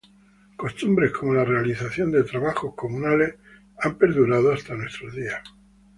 Costumbres como la realización de trabajos comunales han perdurado hasta nuestros días.